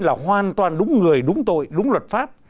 là hoàn toàn đúng người đúng tội đúng luật pháp